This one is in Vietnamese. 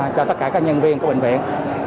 cho tất cả các nhân viên của bệnh viện